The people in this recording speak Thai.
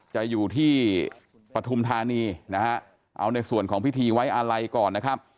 จะอยู่ที่ปฐุมธานีนะฮะเอาในส่วนของพิธีไว้อาลัยก่อนนะครับ